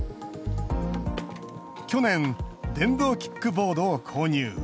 去年電動キックボードを購入。